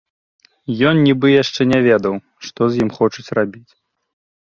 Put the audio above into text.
Ён нібы яшчэ не ведаў, што з ім хочуць рабіць.